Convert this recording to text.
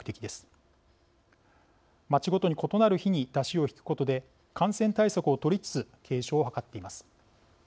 町ごとに異なる日に山車をひくことで感染対策を取りつつ継承を図っています。